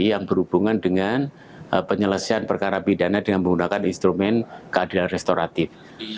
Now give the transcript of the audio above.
yang berhubungan dengan penyelesaian perkara pidana dengan menggunakan instrumen keadilan restoratif